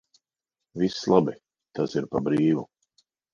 Viss labi, tas ir par brīvu.